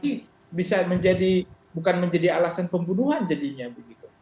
jadi bisa menjadi bukan menjadi alasan pembunuhan jadinya begitu